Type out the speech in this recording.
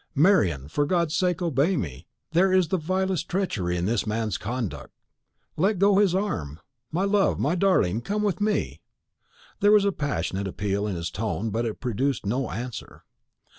"Marian, for God's sake, obey me! There is the vilest treachery in this man's conduct. Let go his arm. My love, my darling, come with me!" There was a passionate appeal in his tone, but it produced no answer.